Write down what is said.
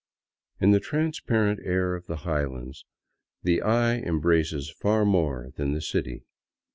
In the transparent air of the highlands the eye embraces far more than the city.